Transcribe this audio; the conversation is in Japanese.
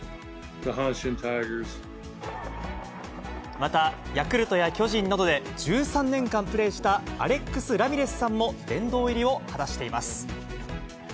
また、ヤクルトや巨人などで１３年間プレーしたアレックス・ラミレスさんも殿堂入りを果たしています。